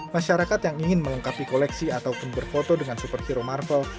masyarakat yang ingin melengkapi koleksi ataupun berfoto dengan superhero marvel